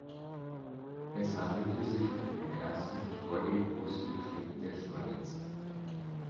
Es handelte sich um den ersten Trolleybusbetrieb der Schweiz.